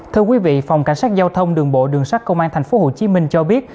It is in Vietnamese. thưa quý vị phòng cảnh sát giao thông đường bộ đường sát công an tp hcm cho biết